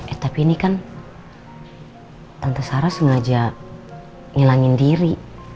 eh tapi ini kan tante sarah sengaja ngilangin diri